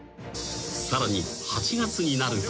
［さらに８月になると］